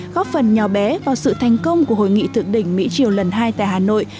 góp phần nhỏ bé vào sự thành công của hội nghị thượng đỉnh mỹ triều lần hai tại hà nội